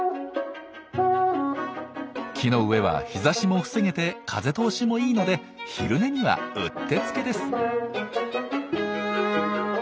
木の上は日ざしも防げて風通しもいいので昼寝にはうってつけです。